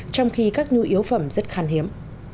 trong khi các nhu yếu phẩm rất khán hiếm